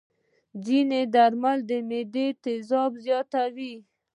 ځینې درمل د معدې تیزاب زیاتوي.